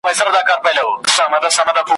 یا د دوی په څېر د زور، عقل څښتن وي `